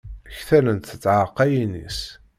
Ktalent tɛaqqayin-is.